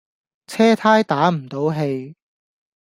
車呔打唔到氣